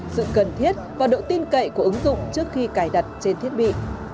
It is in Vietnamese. sự cần thiết và độ tin cậy của ứng dụng trước khi cài đặt trên thiết bị